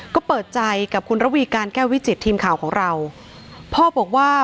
ก็เปิดใจกับคุณระวีการแก้ววิจิตทีมข่าวของเราพ่อบอกว่า